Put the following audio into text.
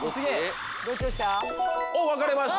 分かれました。